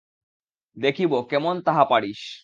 দেখিব কেমন তাহা পারিস।